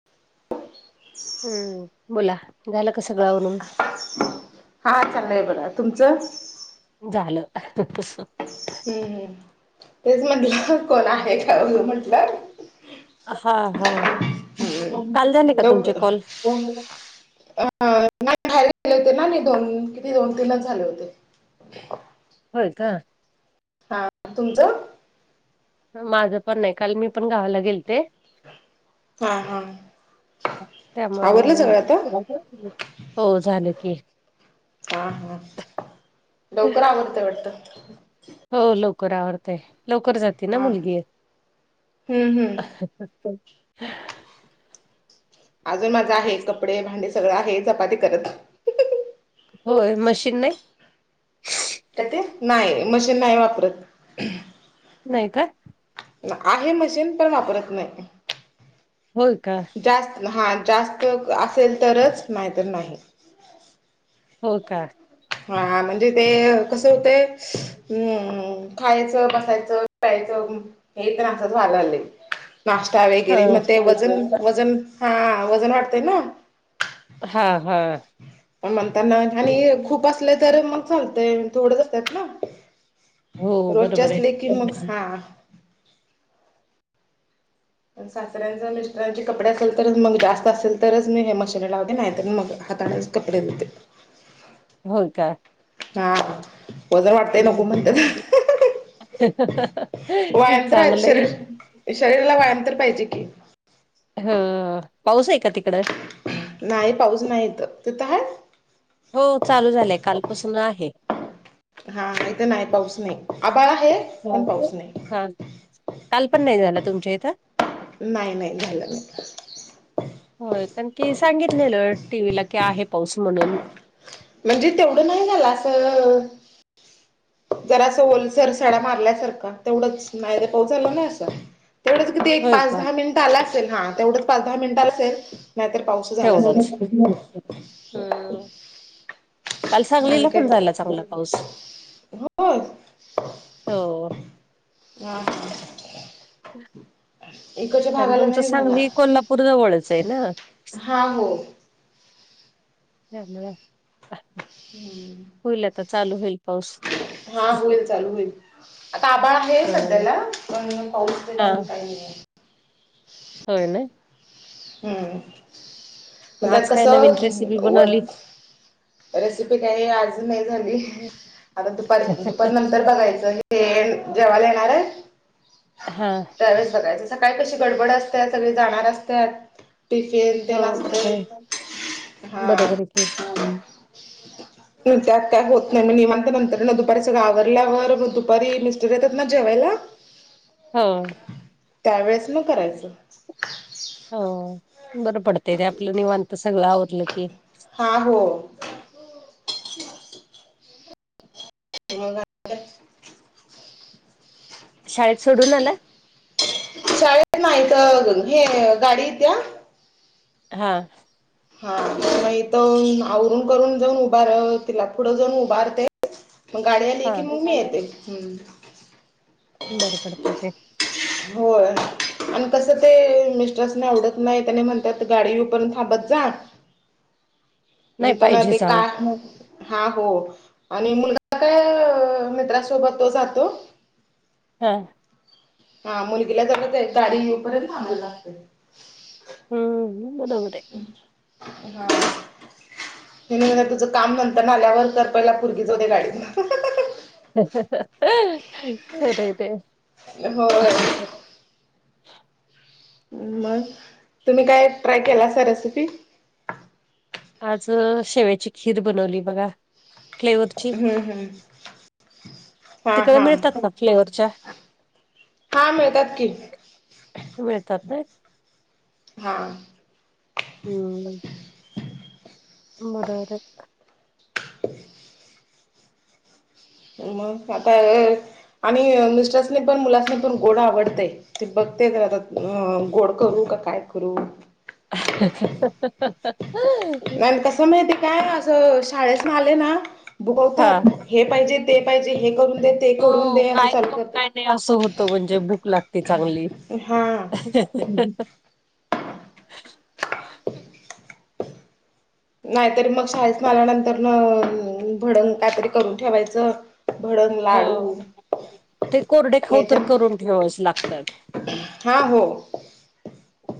[inaudible] हम्म बोला झालं का सगळ आवरुन? हा चालय बरं तुमचं? झालं. हम्मम तेच म्हटलं कोण आहे का बघू म्हंटलं. हा हां हम्म. काल झाले का लोक तुमचे कॉल? अ नाही बाहेर गेले होते ना नाही दोन किती दोन तीनच झाले होते. होय का. हां तुमचं? माझं पण नाही काल मी पण गावाला गेलते. हा हा आवरलं त्यामुळं सगळं आता? मग [unintelligible] हो झालं की. हा हां लवकर आवरतय वाटत? हो लवकर आवरतय लवकर जाते ना हा मुलगी. हम्म हम्म [inaudible] अजून माझं आहे कपडे भांडे सगळं आहे चपाती करत होय मशीन नाही. का ते नाही मशीन नाही वापरत. नाही का? आहे मशीन पण वापरत नाही. होय का. जास्त हां जास्त असेल तरच नाहीतर नाही. हो का. हा म्हणजे ते कसं होतंय हम्म खायचं बसायचं पायचं हे तर असच भाग झाले. नाश्ता वगैरे मग ते वजन हा वजन हा वजन वाटतय ना. हा हा पण म्हणताना आणि खूप असले तर मग चालत थोडंच असतात ना. हो रोजच्या बरोबर आहे असले की मग हां पण सासऱ्यांचा मिस्टरांचे कपडे असेल तर मग जास्त असेल तरच मी हे मशीन लावते नाहीत मग हातानेच कपडे धुणे. हो का हां व्यायाम तर चांगलय. शरीर शरीराला व्यायाम तर पाहिजे की. ह्ं पाऊस आहे का तिकडं? नाही पाऊस नाही इथं तिथं आहे? हो चालू झालंय कालपासून आहे. हा इथे नाही पाऊस नाही आभाळ आहे. पण पाऊस नाही हा काल पण नाही झाला तुमच्या इथं? नाही नाही झालंच नाही. हो कारण की सांगितलेलं टी व्हीला की आहे पाऊस म्हणून. म्हणजे तेवढं नाही झालं असं जरा असं ओलसर साडा मारल्यासारखा तेवढंच नाहीतर पाऊस झाला नाही असा. [inaudible] तेक पाच का दहा मिनिटं आलासेल हा तेवढंच पाच दहा मिनिटाचा सेल नाही तर पाऊस झालाच तेवढंच नाही हम्म. काल सांगलीला आणि काय पण झाला चांगला पाऊस. होय हो. आ हा. एकच्या कारण भागाला तुमचं नाही झाला. सांगली कोल्हापूर जवळच आहे ना. हा हो. झालाया ह म. हम्म. हुईल आता चालू हुईल. हा हुईल चालू हुईल आता आबाळा हे हो सध्याला पण पाऊस तेन हा तेन काय नाहीये. होय नाही. हम्म म ते आज काय नवीन रेसिपी कसं बनवली? वज रेसिपी काय आज नाही झाली, आता दुपारी दुपार नंतर बघायचं हे तेन जेवायला येणारे? हा. त्यावेळेस बघायच सकाळी कशी गडबड असत्या सगळी जाणार असत्यात. टिफिन हो बरोबर ये, हा. बरोबरे कि हा मं. त्यात काय होत नाही म निवांत नंतर नं दुपारी सगळं आवरल्यावर दुपारी मिस्टर येतात ना जेवायला हा. त्यावेेळेस म करायचं. हो बरं पडतय ते आपलं निवांत सगळं आवरलं कि. हा हो. मग [unintelligible] शाळेत सोडून आला? शाळेत नाही इथं हे गाडीे इत्या. हा. हा म इथून आवरून करून जाऊन उभार तिला पुढं जाऊन उभारते. मग गाडी आली हा की मग मी येते. बरं पडतय ते. होय. आणि कसं ते मिस्टरास्नी आवडत नाही त्यानी म्हणत्यात गाडी येऊ पर्यंत थांबत जा. नाही म्हणतानं ते पाहिजेच अहो काय? हा हो आणि मुलगा काय मित्रासोबत तो जातो. हा. हा मुलगीला जवळच ये गाडी येऊपर्यंत थांबाय लागतय. हम्म बरोबर ये. हा. हेनी म्हणतात तुझं काम नंतर नं आल्यावर कर पहिला पुरगी जाऊदे गाडीतनं. [unintelligible] खरंय ते. होय मग तुम्ही काय ट्राय केलासा रेसिपी? आज शेवेची खीर बनवली बघा. फ्लेवरची हम्म हम्म. हा तिकडे हा, मिळतात का फ्लेवरच्या हा मिळतात कि. मिळतात नाही? हा. हम्म. मदरक. मग आता आणि मिस्टरासनी पण मुलासनी पण गोड आवडतंय. ते बघते तर आता गोड करू का काय करू? ह. नाही कसं माहितीे काय असं शाळेसन आले ना हा भुगवतात. हे पाहिजे ते पाहिजे हे करून दे. ते करून हो दे असं काही चालू काय करतात नाही असं होतं म्हणजे भूक लागते चांगली. हा ह. नाहीतरी मग शाळेत आल्यानंतर न भडंग कायतरी करून ठेवायचं. भडंग हो लाडू ते कोरडे हे खाऊ ते तर करून ठेवाच लागतात. हा हो.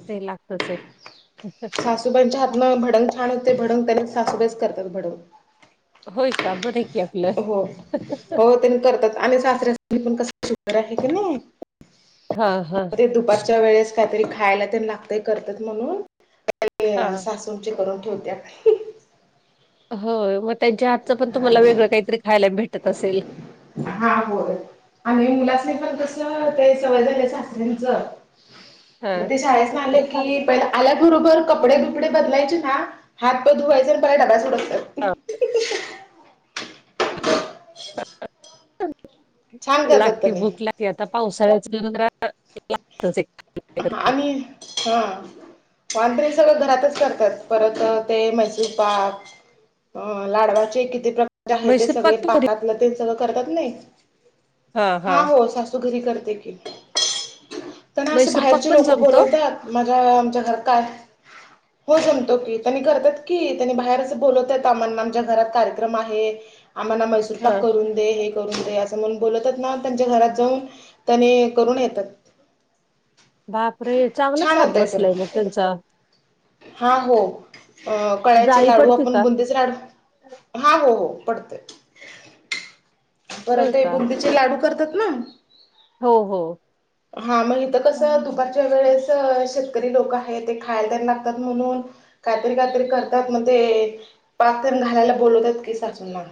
ते लागतच आहे. सासुबाईंच्या हात न भडंग छान होते भडंग. त्यान सासुबाईच करतात भडंग. होय का? ब हो हो त्यां करतात आणि सासऱ्या सनी पण कस शुगर आहे क नाही. हा हा म ते दुपारच्या वेळेस काहीतरी खायला ते लागतय करतात म्हणून हा. सासूंचे करून ठेवते. हो मग त्यांच्या हातचं पण तुम्हाला वेगळं काहीतरी खायला भेटत असेल. हा बोल. आणि मुलास नाही पण कस ते सवय झालं सासऱ्यांंच. मग हा. ते शाळेसन आले की पहि आल्याबरोबर कपडे बिपडे बदलायचे हात प धुवायंच डायरेक्ट डब्बा सोडत हो. छान करतात लागती त्यांनी भूक लागती आता पावसाळ्याच जरा तसे आणि हा. वांतरी सगळं घरातच करतात. परत ते मैसूर पाक अ लाडवाचे किती प्रकार? आहे ते मैसूर सगळे पाक पण पाकातलं ते सगळं करतात नाही हा हो. घरी करते की त्यांना असे मैसूर पाक बाहेरचे पण लोक जमतो. बोलवतात. माझ्या आमच्या घर काय हो जमतो की त्यांनी करतात की त्यांनी बाहेरच बोलवतय आमण आमच्या घरात कार्यक्रम आहे. आम्हा नाम स्वयंपाक हा करून दे हे करून दे असं म्हणून बोलतच ना त्यांच्या घरात जाऊन त्याने करून येतात. बाप रे चांगलाच छान हात होतय खरं बसलाय ना त्यांचा. हा हो कळ्याचे जाळी लाडू पडते आपण का? बुंदीच लाडू हा हो हो पडतय पर होय ते का? बुंदीचे लाडू करतात ना. हो हो. हा मग इथ कस दुपारच्या वेळेस शेतकरी लोक आहे. ते खायला त्यांना म्हणून काहीतरी काहीतरी करतात मग ते पाक ते न घालायला बोलवतात की सासू ना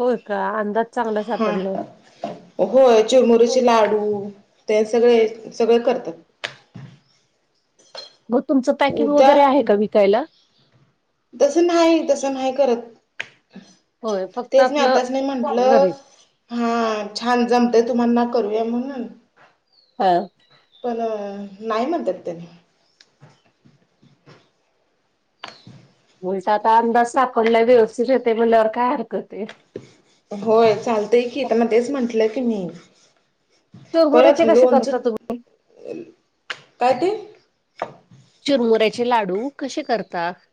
होय का अंदाज चांगला हा सापडलाय. होय चिरमुऱ्याचे लाडू ते सगळे सगळे करतात. मग तुमचं पॅकिंग उद्या वगैरे आहे का विकायला? तसं नाही तसं नाही करत. होय फक्त तेच नाही आपलं आताच नाही म्हंटलं घरीच. हा छान जमतय तुम्हाना करूया म्हणून. हा. पण नाही म्हणतत त्यांनी. बलता आता अंदाज सापडला व्यवस्थित येते म्हल्यावर काय हरकत ये. होय चालतंय की तर मग तेच म्हंटलं की मी. परत चुरमुऱ्याचे कसे लोनच करता तुम्ही? काय ते? चिरमुऱ्याचे लाडू कसे करतात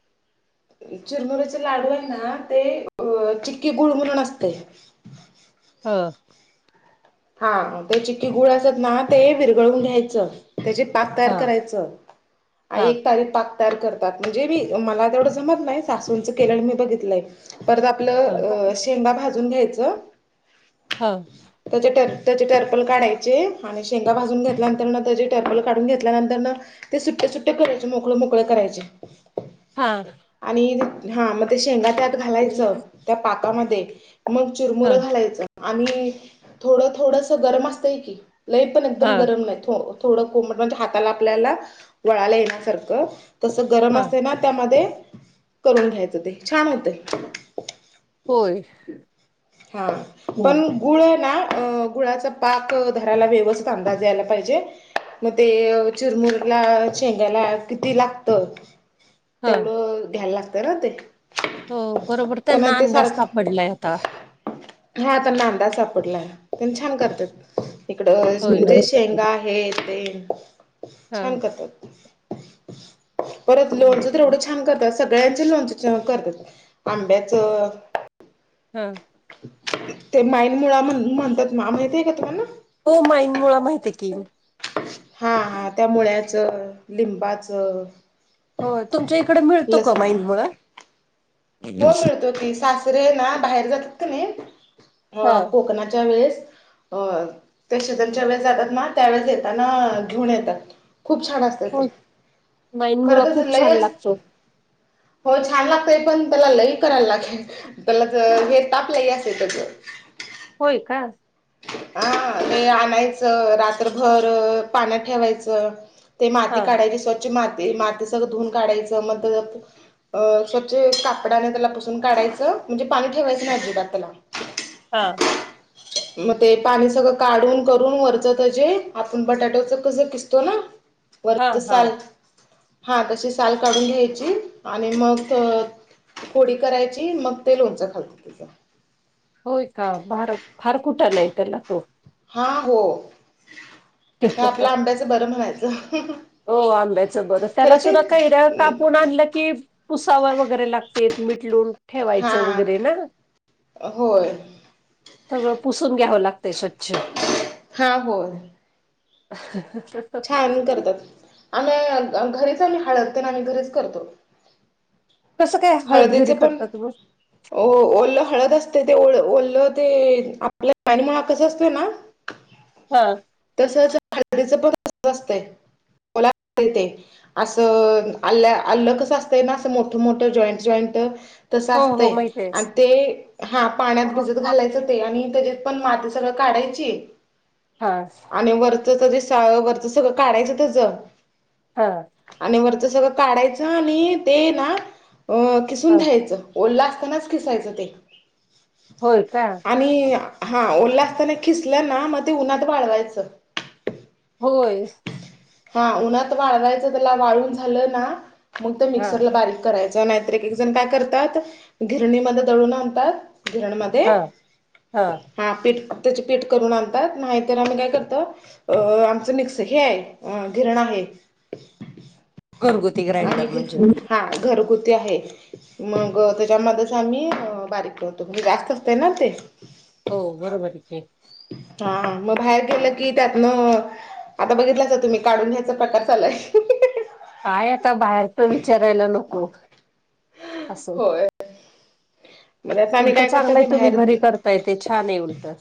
चिरमुरीचे लाडू आहे ना ते अ चिक्की गुळमरण असते हा हा ते चिक्की गुळ असत ना ते वििरगळून घ्यायचं त्याचे पाक तयार हा करायचं हा आणि एक तारी पाक र करतात म्हणजे मी मला तेवढ जमत नाही सासूच केलं मी बघितलंय पर ह आपलं ह शेंगा भाजून घ्यायचं हो त्याचे टर त्याचे टर्पल काढायचे आणि शेंगा भाजून घेतल्यानंतरन त्याचे टर्पल काढून घेतल्यानंतरन ते सुट्ट्या सुट्ट्या करायचे मोकळ मोकळं करायचे हां आणि हा मग ते शेंगा त्यात घालायचं त्या पाकामध्ये मग ह चुरमुरं घालायचं आणि थोडं थोडंस गरम असतंय की लई पण हा एकदम गरम नाही थोडं कोमट म्हणजे हाताला आपल्याला वळाला येण्यासारखं तसं गरम हा असते ना त्यामध्ये करून घ्यायचं ते छान होते होय हा पण गुळ ना गुळाचा पाक धरायला व्यवस्थित अंदाज यायला पाहिजे मग ते चिरमुऱ्याला शेंगाला किती लागतं हा तेवढं घ्यायला लागतं ना ते हो बरोबर त्यांना त्यामुळे ते अंदाज सारखं सापडलाय आता हा त्यांना अंदाज सापडलाय तेनी छान करतात इकड होय ना? जे शेंगा आहे ते हा छान करतात परत बारीक लोणचं तर करून एवढं छान करतात सगळ्यांच लोणच करतात आंब्याचं हा ते माईन मुळा म्हण म्हणतात मा माहती आहे का तुम्हाला हो माईन मुळा माहिती आहे की हा हा त्यामुळेच लिंबाच हो तुमच्या इकडे मिळतो का माईन मुळा हो मिळतो की सासरे ना बाहेर जातात का नाही हा. अ कोकणाच्या वेळेस अ ते शिजनच्या वेळेस जातात ना त्यावेेळेस येताना घेऊन येतात खूप छान असतात हो माईन मुळा खरच खूप ल छान लागतो. हो छान लागतय पण त्याला लई करायला लागेल त्याला हे तापलं असेेत होय का हा ते आणायचं रात्रभर पाण्यात ठेवायचं ते माती हा काढायची स्वच्छ माती माती सगळं धुऊून काढायचं मग अ स्वच्छ कापडाने त्याला पुसून काढायचं म्हणजे पाणी ठेवायचं नाही अजिबात त्याला हां मग ते पाणी सगळं काढून करून वरचं त्याचे आपण बटाटोच कसं किसतो ना हा वरचं हा. साल हा तशी साल काढून घ्यायची आणि मग फोडी करायची मग ते लोणचं घालतात त्याचं होय का भार फार कुठं लई त्याला तो हा हो आपलं आंब्याचं बरं म्हणायचं हो आंब्याचं बरं त्याला खरं ते सुद्धा कैऱ्या कापून आणलं की पुसावं वगैरे लागतय मीठ लावून हा ठेवायचं वगैरे ना होय सगळं पुसून घ्यावं लागतंय स्वच्छ हा होय [inaudible] छान करतात आम्ही घरीच आम्ही हळद तेन आम्ही घरीच करतो. कसं काय? हळद घरी हळदीचं पण करता तुम्ही? ओलं हळद असतंय ते ओलं ते आपल्या पाणी मुळा कसं असतोय ना. [inaudible] तसंच हळदीचं पण तसंच असतय. अस अलं कस असतय ना अस मोठं मोठं. Joint joint. तसं हो हो असतंय माहित आहे. आणि ते हा पाण्यात हा भिजत घालायचं ते आणि त्याच्यात पण माती सगळं काढायची. हा. आणि वरचं त जे स वरचं सगळं काढायचं त्याचं हा. आणि वरचं सगळं काढायचं आणि ते ना. अ खिसून घ्यायचं ओलं असतानाच खिसायचं ते होय क? आणि हा ओलं असताना खिसलं ना मग ते उन्हात वाळवायचं. होय. हा उन्हात वाळवायचं. त्याला वाळून झालं. ना मग. हा मिक्सरला बारीक एक एक जण काय करतात. गिरणीमध्ये दळून आणतात. हा धिरणमध्येध्ये हा [unintelligible] त्याचे पीठ करून आणतात. नाहीतर आम्ही काय करतो. आमच मिक्सर हे आहे अ घिरणा आहे. घरगुती ग्राइंडर आणि म्हणजे हा घरगुती आहे. मग त्याच्यामध्येच आम्ही बारीक करतो. जास्त असतंय ना ते हो बरोबर ठीक हे. हा मग बाहेर गेलं की त्यातलं. आता बघितलासा तुम्ही काढून घ्यायचा प्रकार चालाय. हाय आता बाहेरच विचारायला नको. अस होय मग त्यात आम्ही उलट काय करतो चांगलंय मी तुम्ही घरी बाहेर करता. ताई ते छान आहे उलटं.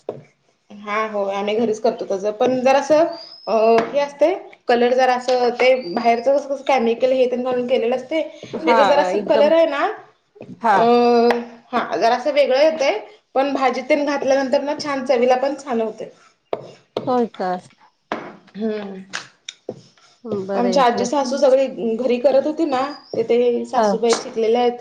हा हो आम्ही घरीच करतो त्याचं पण जरासं. अ हे असतंय कलर जरासं ते बाहेरच कस अस केमिकल हे तेन घालून केलेलं अस. जर हा असं एकदम कलर आहे. हा हा जर असं वेगळं पण हे भाजीतन घातल्यानंतर छान चवीला लागते. होय का? हम्म. सासू बरं आहे आमच्या आपलं आजीसासु सगळे. घरी करत होती. ना तिथे हा सासूबाई शिकलेल्या आहेत.